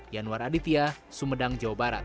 yanwar aditya sumedang jawa barat